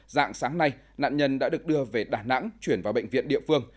dạng sáng nay nạn nhân đã được đưa về đà nẵng chuyển vào bệnh viện địa phương